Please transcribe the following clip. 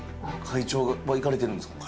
会長は行かれてるんですか？